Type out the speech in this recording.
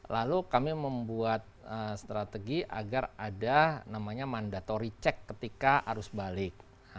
lalu kami membuat strategi agar ada namanya mandatory check ketika arus balik